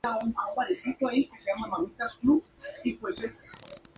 La reinstauración del doble sentido generó controversias.